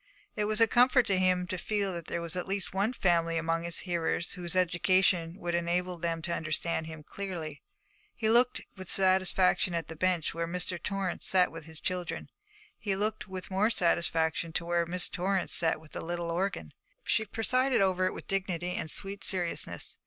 It was a comfort to him to feel that there was at least one family among his hearers whose education would enable them to understand him clearly. He looked with satisfaction at the bench where Mr. Torrance sat with his children. He looked with more satisfaction to where Miss Torrance sat at the little organ. She presided over it with dignity and sweet seriousness.